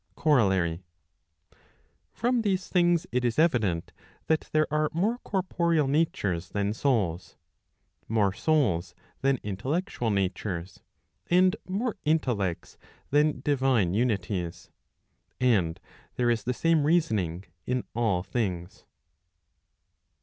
COROLLARY. From these things it is evident, that there are more corporeal natures than souls ; more souls than intellectual natures ; and more intellects than divine unities. And there is the same reasoning in all things.